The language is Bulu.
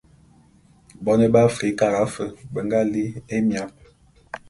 Bone be Afrikara fe be nga li'i émiap.